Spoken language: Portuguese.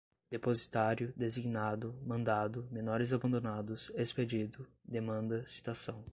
depositário, designado, mandado, menores abandonados, expedido, demanda, citação